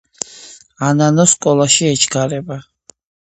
ანანოს სკოლაში ეჩქარებოდა